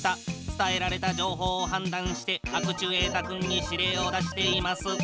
伝えられたじょうほうをはんだんしてアクチュエータ君に指令を出しています。